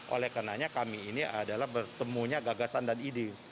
oleh karenanya kami ini adalah bertemunya gagasan dan ide